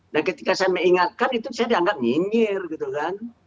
dan ketika saya mengingatkan itu saya dianggap nyinyir gitu kan